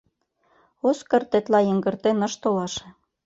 Оскар тетла йыҥгыртен ыш толаше.